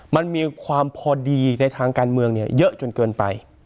มันมีความพอดีในทางการเมืองเยอะจนเกินไป